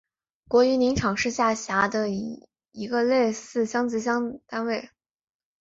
国营林场是下辖的一个类似乡级单位。